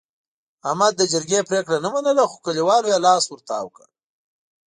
احمد د جرګې پرېګړه نه منله، خو کلیوالو یې لاس ورتاو کړ.